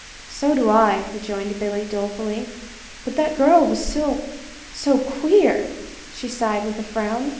"So do I," rejoined Billy, dolefully. "But that girl was so so queer!" she sighed, with a frown.